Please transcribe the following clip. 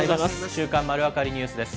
週刊まるわかりニュースです。